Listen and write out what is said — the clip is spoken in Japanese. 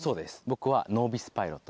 僕は。